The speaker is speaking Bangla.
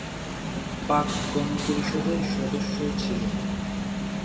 পাক-গণপরিষদের সদস্য ছিলেন।